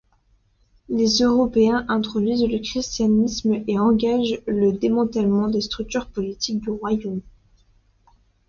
Les Européens introduisent le christianisme et engagent le démantèlement des structures politiques du royaume.